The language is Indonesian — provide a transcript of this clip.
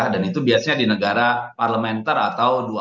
dan itu biasanya di negara parlementer atau dukungan